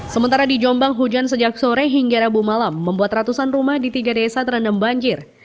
sementara di jombang hujan sejak sore hingga rabu malam membuat ratusan rumah di tiga desa terendam banjir